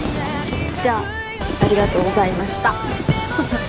じゃあありがとうございました。